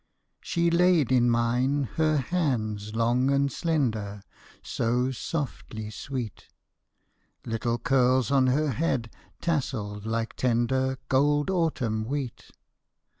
She laid in mine her hands long and slender, So softly sweet. Little curls on her head tasselled like tender Gold autumn wheat.